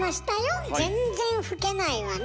全然老けないわね。